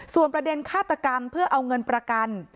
ส่วนประเด็นฆาตกรรมเพื่อเอาเงินประกัน